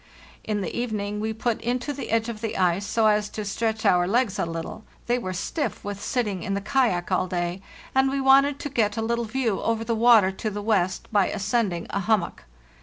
In the evening we put in to the edge of the ice, so as to stretch our legs a little; they were stiff with sitting in the kayak all day, and we wanted to get a little view over the water to the west by ascending a hummock.